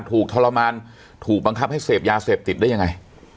ทรมานถูกบังคับให้เสพยาเสพติดได้ยังไง